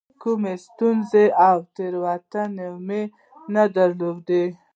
کومه ستونزه او تېروتنه مو نه درلوده.